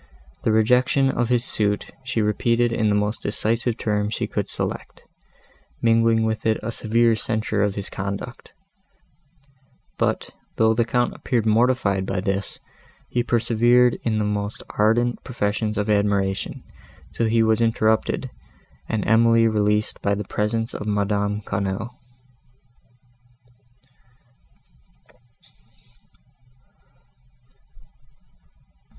The rejection of his suit she repeated in the most decisive terms she could select, mingling with it a severe censure of his conduct; but, though the Count appeared mortified by this, he persevered in the most ardent professions of admiration, till he was interrupted and Emily released by the presence of Madame Quesnel.